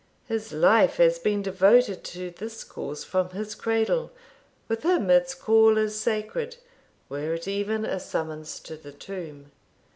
His life has been devoted to this cause from his cradle; with him its call is sacred, were it even a summons to the tomb.